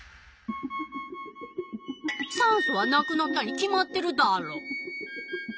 酸素はなくなったに決まってるダロ。